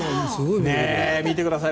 見てください。